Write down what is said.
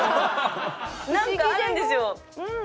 何かあるんですよ。